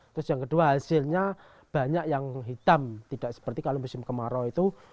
terus yang kedua hasilnya banyak yang hitam tidak seperti kalau musim kemarau itu